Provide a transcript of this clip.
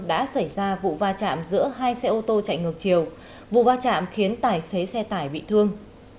đã xảy ra vụ va chạm giữa hai xe ô tô chạy ngược chiều vụ va chạm khiến tài xế xe tải bị thương